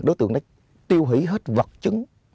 đối tượng đã tiêu hủy hết vật chứng